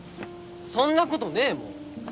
そんなことねえもん！